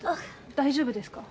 大丈夫ですか？